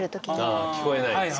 ああ聞こえないから。